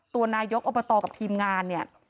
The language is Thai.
ตัวนายกอุปตอบัติกับทีมงาน